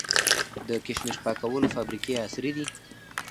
د کشمش پاکولو فابریکې عصري دي؟